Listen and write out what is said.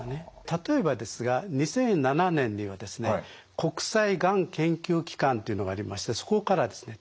例えばですが２００７年にはですね国際がん研究機関というのがありましてそこからですね